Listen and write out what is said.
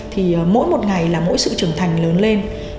thì mỗi một ngày là mỗi sự trưởng thành lớn lên